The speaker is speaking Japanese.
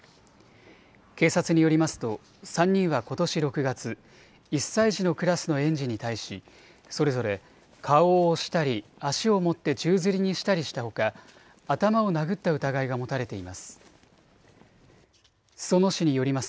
警察によりますと３人はことし６月、１歳児のクラスの園児に対しそれぞれ顔を押したり足を持って宙づりにしたりしたほか頭を殴った疑いが持たれています。